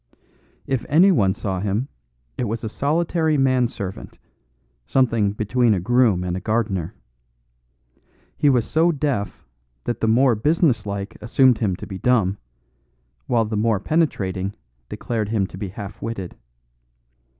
If anyone saw him it was a solitary man servant, something between a groom and a gardener. He was so deaf that the more business like assumed him to be dumb; while the more penetrating declared him to be half witted.